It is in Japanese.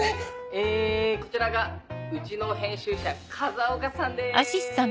えこちらがうちの編集者風岡さんです。